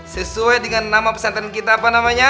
sesuai dengan nama pesantren kita apa namanya